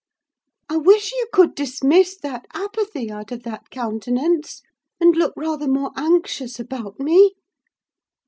I wish you could dismiss that apathy out of that countenance, and look rather more anxious about me."